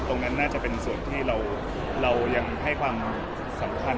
ตรงนั้นน่าจะเป็นส่วนที่เรายังให้ความสำคัญ